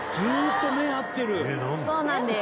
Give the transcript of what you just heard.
「そうなんです」